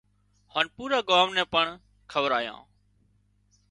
هانَ پُورا ڳام نين پڻ کورايان